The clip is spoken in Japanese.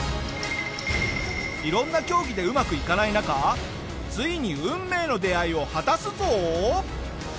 色んな競技でうまくいかない中ついに運命の出会いを果たすぞ！